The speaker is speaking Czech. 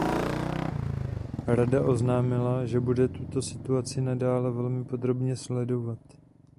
Rada oznámila, že bude tuto situaci nadále velmi podrobně sledovat.